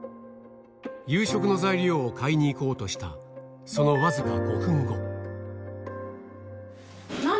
夕食の材料を買いに行こうとしたそのわずか５分後。